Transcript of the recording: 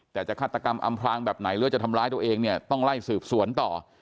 แต่จะฆาตกรรมอำพลางแบบไหนหรือว่าจะทำร้ายตัวเองเนี่ยต้องไล่สืบสวนต่อ